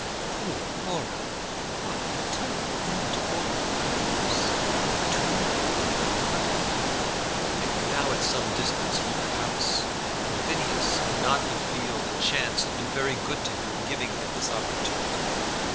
Poor Laura! What a terrible end to all her high hopes! Do you not grieve for her?" They were now at some distance from the house, and Phineas could not but feel that chance had been very good to him in giving him his opportunity.